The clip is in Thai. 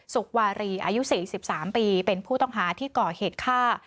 วารีอายุ๔๓ปีเป็นผู้ต้องหาที่ก่อเหตุฆ่า